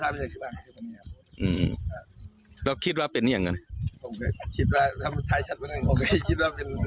ผมก็คิดว่าเป็นสิ่งดีลับหรือลับ